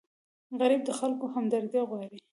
غریب د خلکو همدردي غواړي